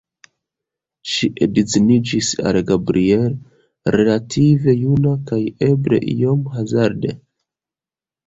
Ŝi edziniĝis al Gabriel relative juna kaj eble iom hazarde.